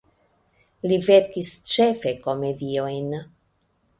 Li verkis ĉefe komediojn.